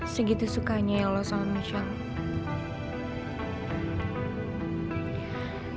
segitu sukanya ya allah sama michelle